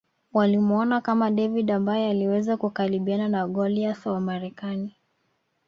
Walimuona kama David ambaye aliweza kukabiliana na Goliath wa Marekani